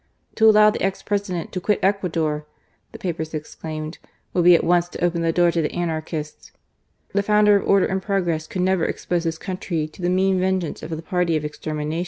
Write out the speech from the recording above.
To allow the ex President to quit Ecuador,'* the papers exclaimed, ^' would be at once to open the door to the anarchists. The founder of order and progress could never expose his country to the mean vengeance of the party of extermination.